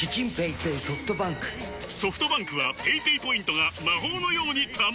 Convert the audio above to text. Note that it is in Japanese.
ソフトバンクはペイペイポイントが魔法のように貯まる！